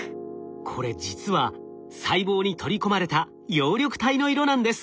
これ実は細胞に取り込まれた葉緑体の色なんです。